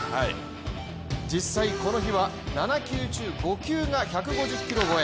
実際、この日は７球中５球が１５０キロ超え。